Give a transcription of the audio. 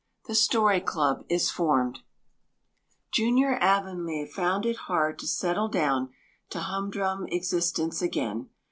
The Story Club Is Formed JUNIOR Avonlea found it hard to settle down to humdrum existence again.